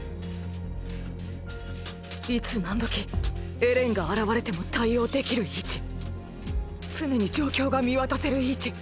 いつ何時エレンが現れても対応できる位置常に状況が見渡せる位置。